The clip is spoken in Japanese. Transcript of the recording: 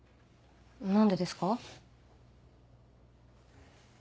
何でですか？